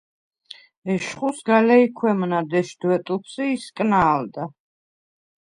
ეშხუ სგა ლეჲქვემნა დეშდვე ტუფს ი ისკნა̄ლდა.